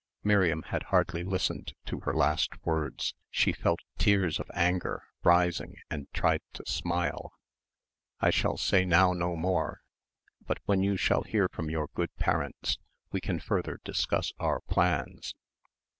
Miriam had hardly listened to her last words. She felt tears of anger rising and tried to smile. "I shall say now no more. But when you shall hear from your good parents, we can further discuss our plans."